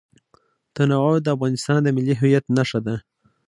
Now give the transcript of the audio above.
تنوع د افغانستان د ملي هویت نښه ده.